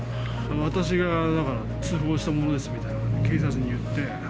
私が通報した者ですみたいな、警察に言って。